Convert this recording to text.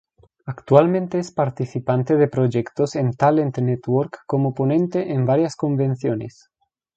Actualmente es participante de proyectos en talent network como ponente en varias convenciones